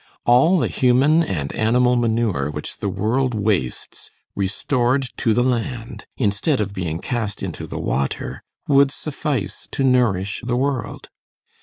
All the human and animal manure which the world wastes, restored to the land instead of being cast into the water, would suffice to nourish the world.